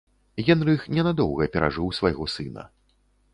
Генрых ненадоўга перажыў свайго сына.